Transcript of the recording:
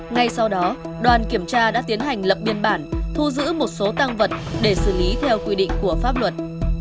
ngay sau đó đoàn kiểm tra đã tiến hành lập biên bản thu giữ một số tăng vật để xử lý theo quy định của pháp luật